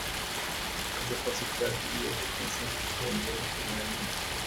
Este fósil fue adquirido por comerciantes que lo vendieron ilegalmente.